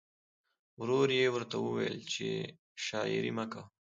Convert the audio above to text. ورور یې ورته وویل چې شاعري مه کوه